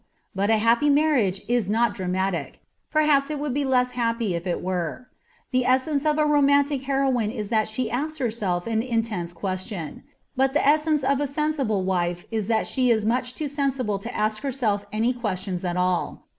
But a happy marriage is not dramatic ; perhaps it would be less happy if it were. The essence of a romantic heroine is that she asks herself an intense question ; but the essence of a sensible wife is that she is much too sensible to ask herself any questions at all.